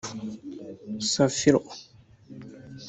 Safyral